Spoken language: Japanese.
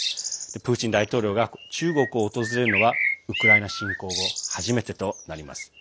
プーチン大統領が中国を訪れるのはウクライナ侵攻後初めてとなります。